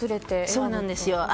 そうなんです。